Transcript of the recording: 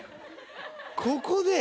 ここで？